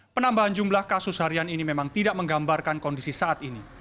penambahan jumlah kasus harian ini memang tidak menggambarkan kondisi saat ini